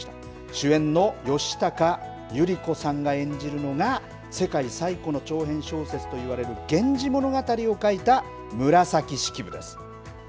主演の吉高由里子さんが演じるのが世界最古の長編小説と言われる源氏物語を書いた紫式部です。